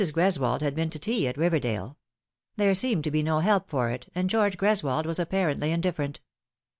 Greswold had been to tea at Riverdale. There seemed to be no help for it, and George Greswold was apparently indifferent.